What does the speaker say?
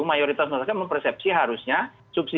mayoritas masyarakat mempersepsi harusnya subsidi itu dalam bentuk